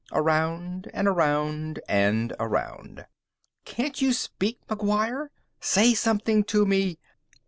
Around and around and around. _Can't you speak, McGuire? Say something to me!